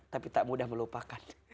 tapi tak mudah melupakan